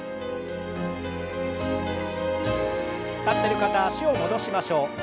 立ってる方は脚を戻しましょう。